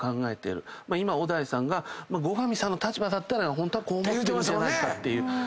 今小田井さんが後上さんの立場だったらホントはこう思ってるんじゃないかって。